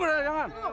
udah udah jangan